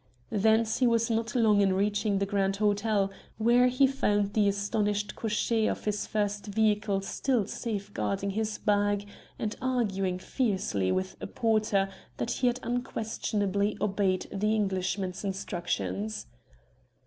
Thence he was not long in reaching the Grand Hotel, where he found the astonished cocher of his first vehicle still safeguarding his bag and arguing fiercely with a porter that he had unquestionably obeyed the Englishman's instructions.